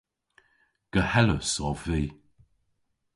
Gohelus ov vy.